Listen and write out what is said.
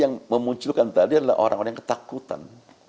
yang memunculkan tadi adalah orang orang yang ketakutan